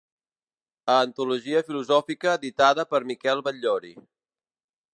Antologia filosòfica editada per Miquel Batllori.